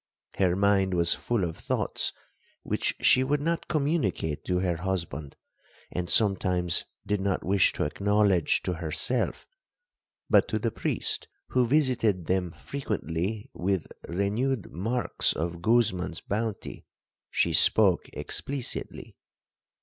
Her mind was full of thoughts which she would not communicate to her husband, and sometimes did not wish to acknowledge to herself; but to the priest, who visited them frequently with renewed marks of Guzman's bounty, she spoke explicitly.